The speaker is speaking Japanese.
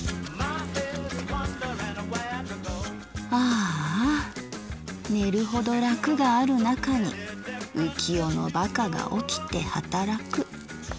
「『あーあ寝るほど楽があるなかに浮世のバカが起きて働く』。